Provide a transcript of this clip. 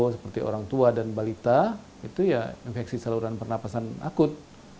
seperti orang tua dan balita itu ya infeksi saluran pernapasan akut